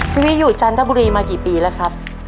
พรุ่งนี้อยู่จันทบุรีมากี่ปีแล้วครับ